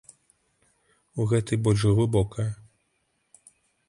У гэтай больш глыбокае.